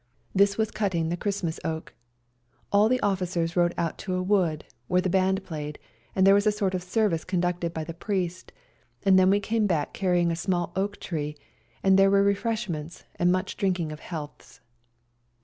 This was cutting the Christ mas oak. All the officers rode out to a wood, where the band played, and there was a sort of service conducted by the priest, and then we came back carrying a small oak tree, and there were refresh ments and much drinking of healths.